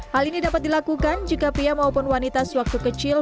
hal ini dapat dilakukan jika pria maupun wanita sewaktu kecil